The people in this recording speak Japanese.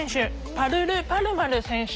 パルル・パルマル選手